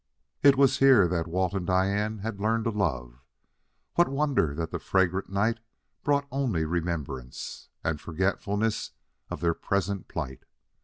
It was here that Walt and Diane had learned to love; what wonder that the fragrant night brought only remembrance, and forgetfulness of their present plight.